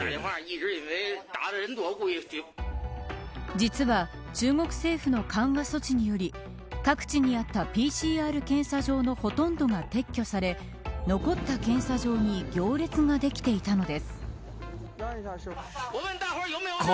実は中国政府の緩和措置により各地にあったＰＣＲ検査場のほとんどが撤去され残った検査場に行列ができていたのです。